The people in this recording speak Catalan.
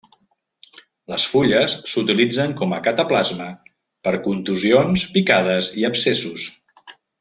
Les fulles s'utilitzen com a cataplasma per contusions, picades i abscessos.